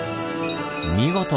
見事！